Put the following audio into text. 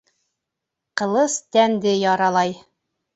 Ҡылыс тәнде яралай